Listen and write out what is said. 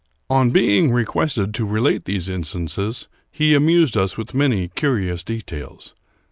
On being requested to relate these instances, he amused us with many curious details.